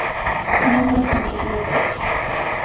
Miembros anteriores.